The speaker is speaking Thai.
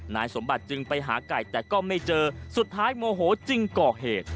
นายสมบัติจึงไปหาไก่แต่ก็ไม่เจอสุดท้ายโมโหจึงก่อเหตุ